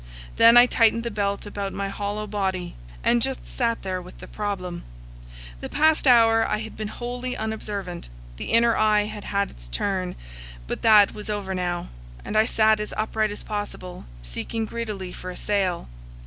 Then I tightened the belt about my hollow body, and just sat there with the problem. The past hour I had been wholly unobservant; the inner eye had had its turn; but that was over now, and I sat as upright as possible, seeking greedily for a sail.